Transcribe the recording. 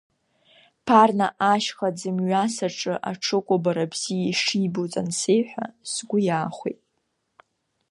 Ԥарна ашьха ӡымҩас аҿы аҽыкәабара бзиа ишибоз ансеиҳәа, сгәы иаахәеит.